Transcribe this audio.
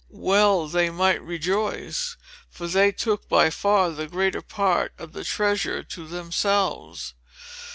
Well they might rejoice; for they took by far the greater part of the treasure to themselves.